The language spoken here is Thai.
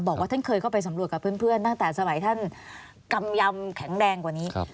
บอกว่าท่านเคยเข้าไปสำรวจกับเพื่อนตั้งแต่สมัยท่านกำยำแข็งแรงกว่านี้